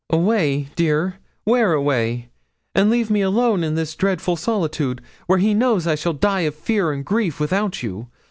'Away, dear! where away? And leave me alone in this dreadful solitude, where he knows I shall die of fear and grief without you?